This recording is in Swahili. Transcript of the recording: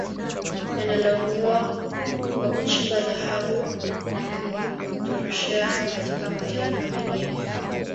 Yanalaumiwa kwa kuchimba dhahabu na kuitoroshea katika mataifa mengine